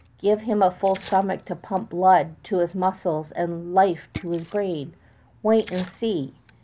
Give him a full stomach to pump blood to his muscles and life to his brain! Wait and see!